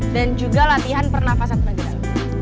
dan juga latihan pernafasan pergerak